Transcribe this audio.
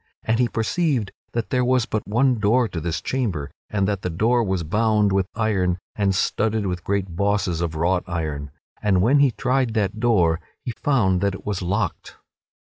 And he perceived that there was but one door to this chamber and that the door was bound with iron and studded with great bosses of wrought iron, and when he tried that door he found that it was locked.